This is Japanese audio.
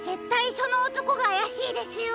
そのおとこがあやしいですよ。